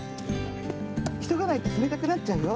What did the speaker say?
いそがないとつめたくなっちゃうよ。